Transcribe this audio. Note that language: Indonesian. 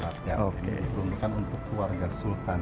ini diperuntukkan untuk keluarga sultan